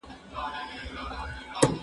زه کولای سم پاکوالي وساتم!؟